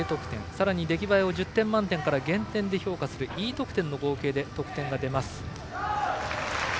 さらに出来栄えを１０点満点から減点で評価するＥ得点の合計で得点が出ます。